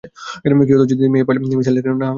কি হত যদি মেয়ে পাইলট মিসাইল এর হামলা থেকে না বাচত?